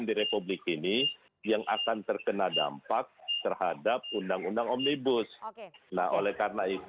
sebetulnya dpr membahas